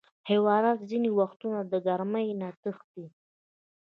حیوانات ځینې وختونه د ګرمۍ نه تښتي.